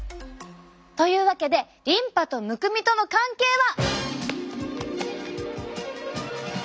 というわけでリンパとむくみとの関係は。